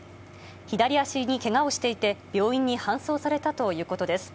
左足にけがをしていて、病院に搬送されたということです。